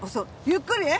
ゆっくりね。